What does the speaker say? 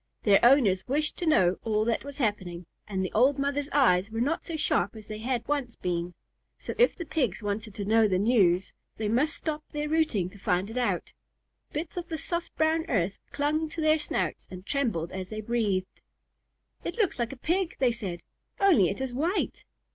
Their owners wished to know all that was happening, and the old mother's eyes were not so sharp as they had once been, so if the Pigs wanted to know the news, they must stop their rooting to find it out. Bits of the soft brown earth clung to their snouts and trembled as they breathed. "It looks like a Pig," they said, "only it is white."